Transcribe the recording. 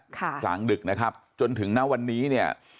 กลางดึกนะครับจนถึงณวันนี้เนี่ย